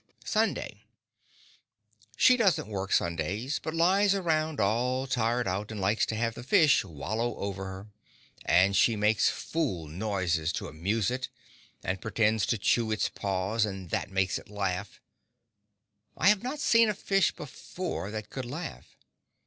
Sunday She doesn't work Sundays, but lies around all tired out, and likes to have the fish wallow over her; and she makes fool noises to amuse it, and pretends to chew its paws, and that makes it laugh. I have not seen a fish before that could laugh.